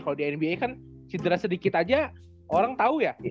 kalau di nba kan cedera sedikit aja orang tahu ya